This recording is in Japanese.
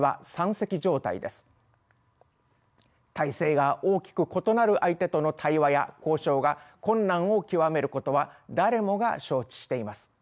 体制が大きく異なる相手との対話や交渉が困難を極めることは誰もが承知しています。